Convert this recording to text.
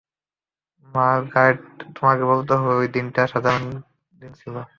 Margaret, তোমাকে বলতে হবে যে ওই দিনটা সাধারণ দিন ছিল।